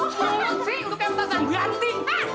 cuma untuk si untuk yang minta sanggup ganti